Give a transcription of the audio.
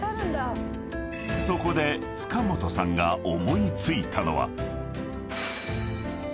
［そこで塚本さんが思い付いたのは］